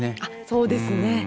あそうですね。